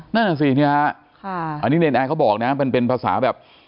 แน่นอนสิเนรนแอร์เค้าบอกนะอันนี้เป็นภาษาแบบ